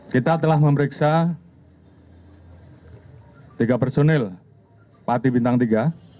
kita telah memeriksa tiga personel parti bintang tiga